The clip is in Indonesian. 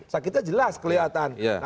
sakitnya jelas kelihatan